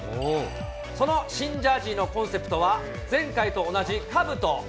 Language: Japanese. その新ジャージーのコンセプトは、前回と同じかぶと。